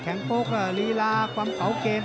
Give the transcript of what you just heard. แข็งโปรกลีลาความเก่าเกณฑ์